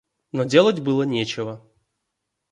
Но делать было нечего.